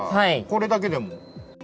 これだけでも？